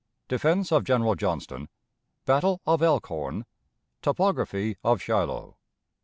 Defense of General Johnston. Battle of Elkhorn. Topography of Shiloh.